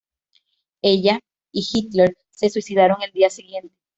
Ella y Hitler se suicidaron el día siguiente.